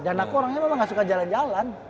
dan aku orangnya memang nggak suka jalan jalan